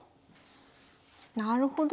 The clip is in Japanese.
なるほど。